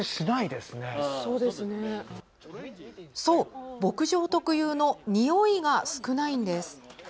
そう、牧場特有のにおいが少ないんです。